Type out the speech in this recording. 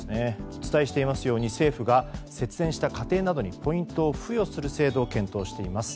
お伝えしていますように政府が節電した家庭などにポイントを付与する制度を検討しています。